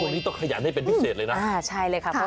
ต้องขยันให้เป็นพิเศษเลยนะ